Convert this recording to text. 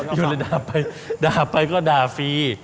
อยู่เลยด่าไปด่าไปก็ด่าฟรี